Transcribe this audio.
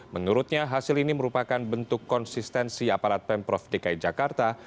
menurutnya hasil ini merupakan bentuk konsistensi aparat pemprov dki jakarta